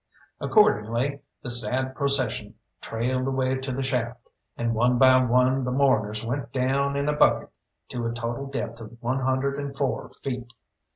Accordingly the sad procession trailed away to the shaft, and one by one the mourners went down in a bucket to a total depth of one hundred and four feet.